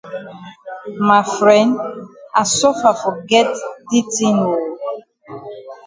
Ma fren I suffer for get di tin oo.